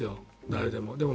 誰でも。